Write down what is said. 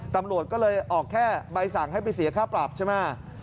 ตำรวจก็เลยออกแค่ใบสั่งให้ไปเสียค่าปรับใช่ไหม